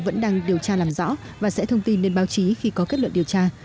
vẫn đang điều tra làm rõ và sẽ thông tin lên báo chí khi có kết luận điều tra